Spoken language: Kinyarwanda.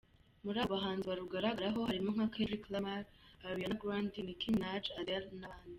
Mu bahanzi barugaragaraho harimo nka Kendrick Lamar, Ariana Grande, Nicki Minaj, Adele n’abandi.